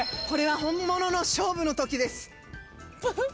これは本物の勝負の時です。